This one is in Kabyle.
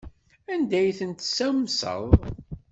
Anda ay ten-tessamseḍ?